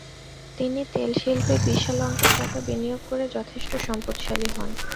তিনি তেল শিল্পে বিশাল অঙ্কের টাকা বিনিয়োগ করে যথেষ্ট সম্পদশালী হন।